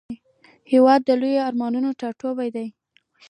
هېواد د لویو ارمانونو ټاټوبی دی.